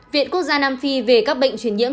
viện quốc gia nam phi về các bệnh truyền nhiễm